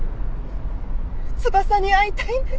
翼に会いたいんです！